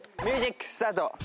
ミュージックスタート！